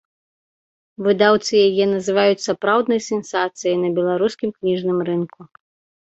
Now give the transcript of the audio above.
Выдаўцы яе называюць сапраўднай сенсацыяй на беларускім кніжным рынку.